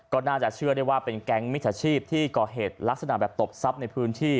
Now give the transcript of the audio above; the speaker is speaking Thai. ก็น่าจะเชื่อได้ว่าเป็นแก๊งมิจฉาชีพที่ก่อเหตุลักษณะแบบตบทรัพย์ในพื้นที่